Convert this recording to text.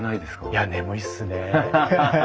いや眠いっすね。